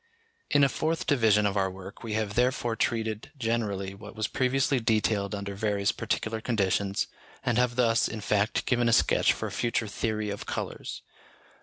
In a fourth division of our work we have therefore treated generally what was previously detailed under various particular conditions, and have thus, in fact, given a sketch for a future theory of colours.